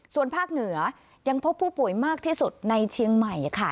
ส่วนภาคเหนือยังพบผู้ป่วยมากที่สุดในเชียงใหม่ค่ะ